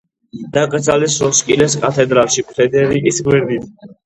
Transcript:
დაკრძალეს როსკილეს კათედრალში, ფრედერიკის გვერდით.